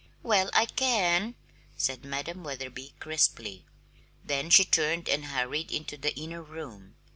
"Well, I can," said Madam Wetherby crisply. Then she turned and hurried into the inner room.